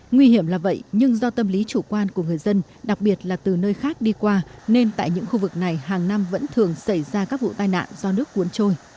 nguy hiểm là vậy nhưng do tâm lý chủ quan của người dân đặc biệt là từ nơi khác đi qua nên tại những khu vực này hàng năm vẫn thường xảy ra các vụ tai nạn do nước cuốn trôi